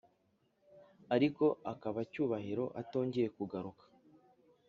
ariko akaba cyubahiro atongeye kugaruka"